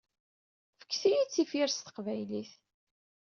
Fket-iyi-d tifyar s teqbaylit.